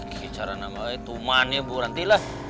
gimana namanya tuman ya bu nanti lah